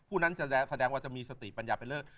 ผู้นั้นจะแสดงว่าจะมีสติปัญญาเป็นเลิก